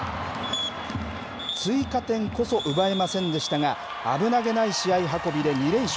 追加点こそ奪えませんでしたが、危なげない試合運びで２連勝。